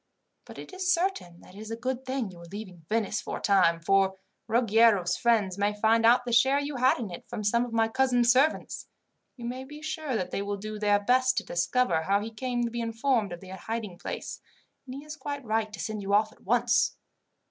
But it is certain that it is a good thing you are leaving Venice for a time, for Ruggiero's friends may find out the share you had in it from some of my cousin's servants. You may be sure that they will do their best to discover how he came to be informed of the hiding place, and he is quite right to send you off at once."